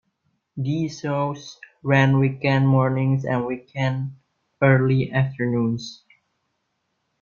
These shows ran weekend mornings and weekend early afternoons.